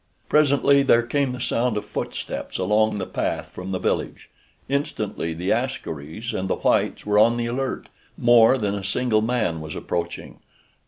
Presently there came the sound of footsteps along the path from the village. Instantly the askaris and the whites were on the alert. More than a single man was approaching.